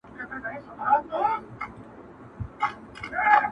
هره پوله به نن وه، سبا به نه وه!!